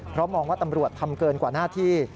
เพราะมองว่าตำรวจทำเกินกว่าหน้าที่